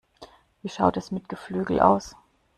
Wie schaut es mit Geflügel aus?